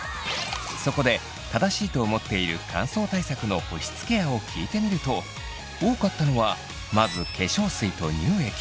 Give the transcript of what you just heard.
そこで正しいと思っている乾燥対策の保湿ケアを聞いてみると多かったのはまず化粧水と乳液。